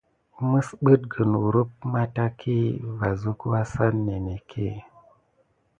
Misbukine kurum mantaki vas suck ya sane neke.